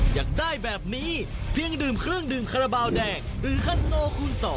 อยากได้แบบนี้เพียงดื่มเครื่องดื่มคาราบาลแดงหรือคันโซคูณ๒